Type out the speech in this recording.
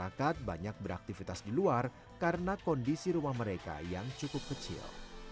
masyarakat banyak beraktivitas di luar karena kondisi rumah mereka yang cukup kecil